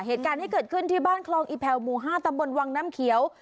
เหตุการณ์ที่เกิดขึ้นที่บ้านคลองอีแผ่วหมู่๕ตำบลวังน้ำเขียว